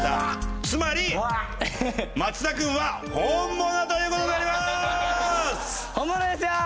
つまり松田君はホンモノという事になります！